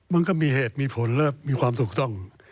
มันก็มีเหตุมีผลและมีความถูกต้อง